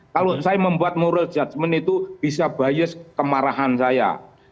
kalau saya membuat moral judgment itu bisa bias kemarahan saya